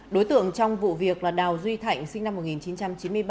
đối tượng trong vụ việc là đào duy thạnh sinh năm một nghìn chín trăm chín mươi ba